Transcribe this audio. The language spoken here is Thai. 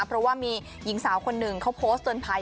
เพราะว่ามีหญิงสาวคนหนึ่งเขาโพสต์เตือนภัย